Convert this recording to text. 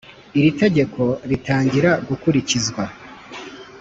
Iri tegeko ritangira gukurikizwa